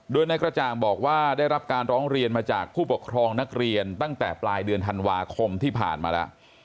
โดยนายกระจ่างบอกว่าได้รับการร้องเรียนมาจากผู้ปกครองนักเรียนตั้งแต่ปลายเดือนธันวาคมที่ผ่านมาแล้ว